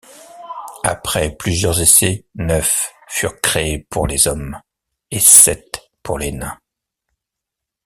Après plusieurs essais, neuf furent créés pour les Hommes et sept pour les Nains.